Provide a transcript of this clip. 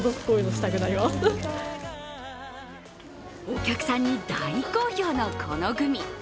お客さんに大好評のこのグミ。